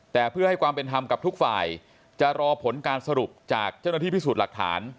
แต่เพื่อให้ความเป็นธรรมกับทุกฝ่ายจะรอผลการสรุปจากเจ้าหน้าที่พิสูจน์หลักฐาน